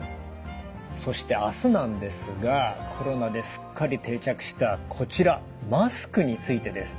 そして明日なんですがコロナですっかり定着したこちらマスクについてです。